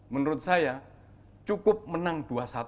menurut saya cukup menang dua satu